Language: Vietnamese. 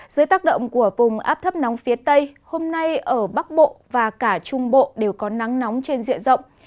dưới tác động của vùng áp thấp nóng phía tây hôm nay ở bắc bộ và cả trung bộ đều có nắng nóng trên diện rộng